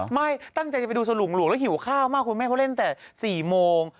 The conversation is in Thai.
ไม่ตั้งใจจะไปดูสลุงหลวงแล้วหิวข้าวมากคุณแม่เพราะเล่นแต่๔โมง